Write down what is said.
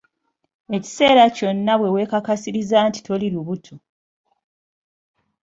Ekiseera kyonna we weekakasiriza nti toli lubuto.